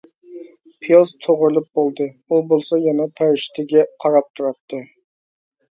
پىياز توغرىلىپ بولدى، ئۇ بولسا يەنىلا پەرىشتىگە قاراپ تۇراتتى.